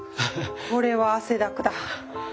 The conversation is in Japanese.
これは汗だくだ。